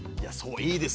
いいですよ。